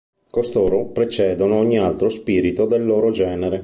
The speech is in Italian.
Costoro precedono ogni altro spirito del loro genere.